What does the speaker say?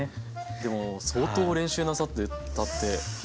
でも相当練習なさってたって聞いてますよ。